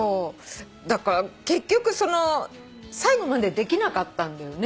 だから結局最後までできなかったんだよね。